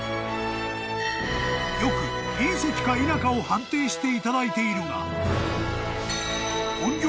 ［よく隕石か否かを判定していただいているが］